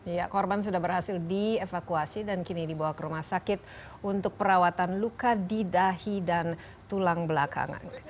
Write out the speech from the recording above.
ya korban sudah berhasil dievakuasi dan kini dibawa ke rumah sakit untuk perawatan luka di dahi dan tulang belakangan